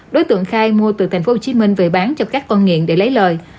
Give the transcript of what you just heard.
đối tượng khai mua từ tp hcm về bán cho các con nghiện để lấy lời